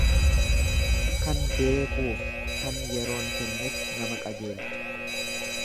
Kan beekuufi kan yeroon kennetu nama qajeelcha.